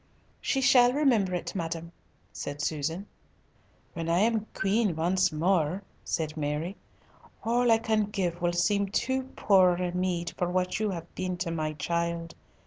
"She shall remember it, madam," said Susan. "When I am a Queen once more," said Mary, "all I can give will seem too poor a meed for what you have been to my child.